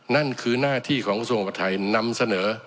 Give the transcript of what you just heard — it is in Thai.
นั่นคือหน้าที่ของกระทรวงกับไทยนำเสนอ